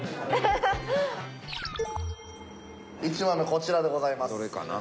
１枚目こちらでございます。